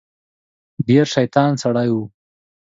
ډیر شیطان سړی و.